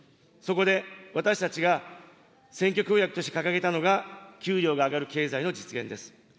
そこで、私たちが選挙公約として掲げたのが、給料が上がる経済の実現です。